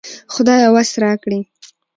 خدايه وس راکړې